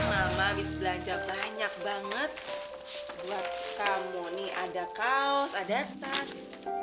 mama habis belanja banyak banget buat kamu nih ada kaos ada tas